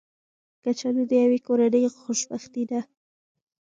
کچالو د یوې کورنۍ خوشبختي ده